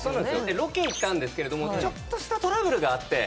ロケ行ったんですけれどもちょっとしたトラブルがあって。